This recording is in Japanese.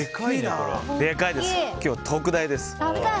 今日は特大です。